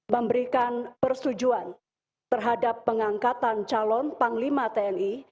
memberikan persetujuan terhadap pengangkatan calon panglima tni